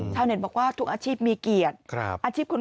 ชาวเหน็ดบอกว่าทุกอาชีพมีเกียรติ